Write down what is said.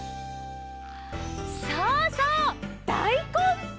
そうそうだいこん！